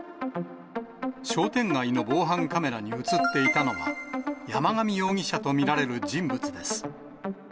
商店街の防犯カメラに写っていたのは、山上容疑者と見られる人物です。